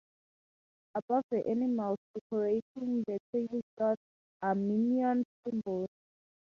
Above the animals decorating the table cloth are Minoan symbols.